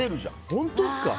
本当ですか。